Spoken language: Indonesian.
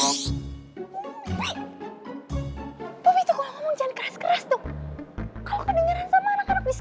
pobi tuh kalau ngomong jangan keras keras dong